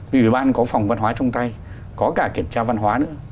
vì ủy ban có phòng văn hóa trong tay có cả kiểm tra văn hóa nữa